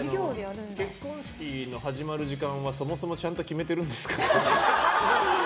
結婚式の始まる時間はそもそもちゃんと決めてるんですか？